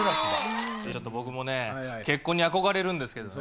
ちょっと僕もね、結婚に憧れるんですけどね。